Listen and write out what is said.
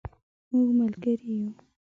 مونږ ملګری یو